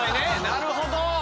なるほど！